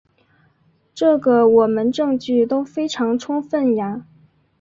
这个我们证据都非常充分呀。